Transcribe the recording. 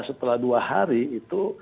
setelah dua hari itu